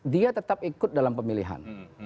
dia tetap ikut dalam pemilihan